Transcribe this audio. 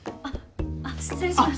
あっ失礼します。